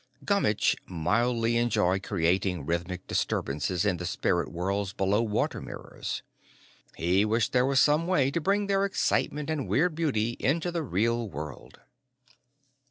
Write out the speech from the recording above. Gummitch mildly enjoyed creating rhythmic disturbances in the spirit worlds below water mirrors. He wished there were some way to bring their excitement and weird beauty into the real world.